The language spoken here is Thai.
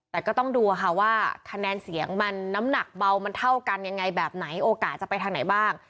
แต่ก็ต้องดูค่ะว่าคะแนนเสียงมันน้ำหนักเบามันเท่ากันยังไงแบบไหนโอกาสจะไปทางไหนบ้าง